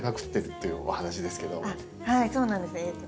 はいそうなんです。